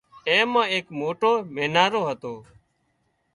اين مان ايڪ موٽو مينارو هتو